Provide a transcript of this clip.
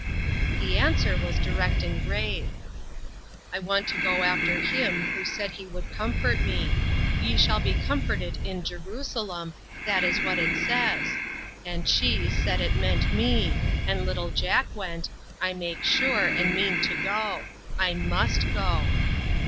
The answer was direct and grave. BUD IN SEARCH OF COMFORT. 28 1 "I want to go after Him who said He would comfort me ' Ye shall be comforted in Jerusalem,' that is what it says, and she said it meant me, and little Jack went, I make sure, and I mean to go. I must go."